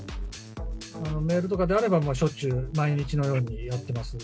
メールとかであれば、しょっちゅう、毎日のようにやっています。